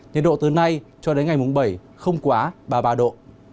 nhiệt độ từ nay cho đến ngày mùng bảy không quá ba mươi ba độ